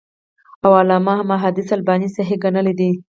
او علامه محدِّث الباني صحيح ګڼلی دی .